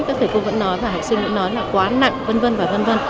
các thầy cô vẫn nói và học sinh vẫn nói là quá nặng v v v